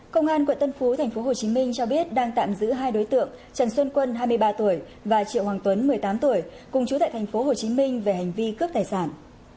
công an quận tân phú tp hcm cho biết đang tạm giữ hai đối tượng trần xuân quân hai mươi ba tuổi và triệu hoàng tuấn một mươi tám tuổi cùng chú tại tp hcm về hành vi cướp tài sản